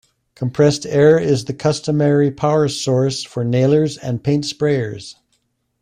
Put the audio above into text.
Compressed air is the customary power source for nailers and paint sprayers.